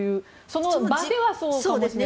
その場ではそうかもしれませんが。